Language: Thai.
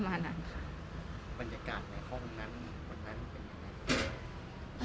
บรรยากาศในห้องนั้นเป็นยังไง